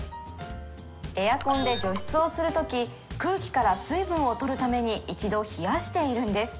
エアコンで除湿をするとき空気から水分を取るために一度冷やしているんです